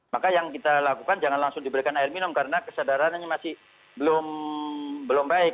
maka yang kita lakukan jangan langsung diberikan air minum karena kesadarannya masih belum baik